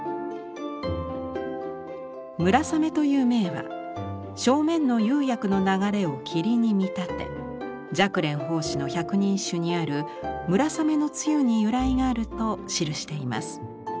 「村雨」という銘は正面の釉薬の流れを霧に見立て寂蓮法師の百人一首にある「村雨の露」に由来があると記しています。